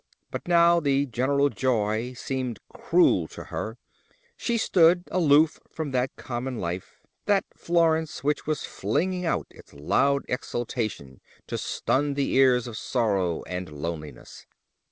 But now the general joy seemed cruel to her: she stood aloof from that common life—that Florence which was flinging out its loud exultation to stun the ears of sorrow and loneliness.